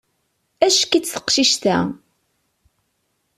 Ack-itt taqcict-a.